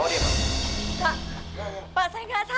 pak saya enggak salah pak